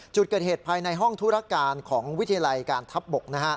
จุดเกิดเหตุภายในห้องธุรการของวิทยาลัยการทัพบก